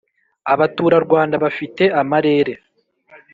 abaturarwanda bafite amarere